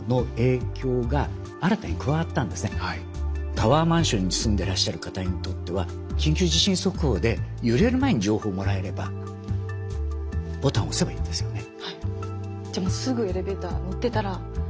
タワーマンションに住んでらっしゃる方にとっては緊急地震速報で揺れる前に情報をもらえればボタンを押せばいいんですよね。